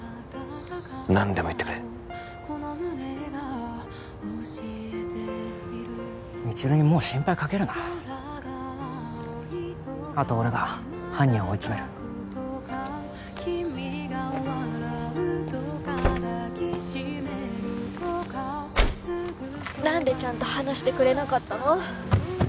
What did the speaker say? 何でも言ってくれ未知留にもう心配かけるなあとは俺が犯人を追い詰める何でちゃんと話してくれなかったの？